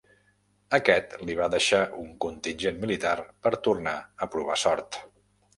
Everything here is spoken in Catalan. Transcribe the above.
Aquest li va deixar un contingent militar per tornar a provar sort.